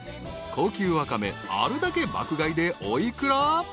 ［高級ワカメあるだけ爆買いでお幾ら？